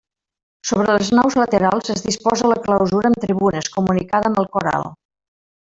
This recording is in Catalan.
Sobre les naus laterals es disposa la clausura amb tribunes, comunicada amb el cor alt.